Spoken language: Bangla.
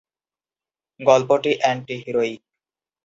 গল্পটি অ্যান্টি-হিরোইক।